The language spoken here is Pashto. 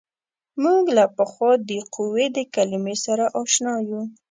موږ له پخوا د قوې د کلمې سره اشنا یو.